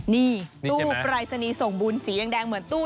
นี่ตู้ปรายศนีย์ส่งบุญสีแดงเหมือนตู้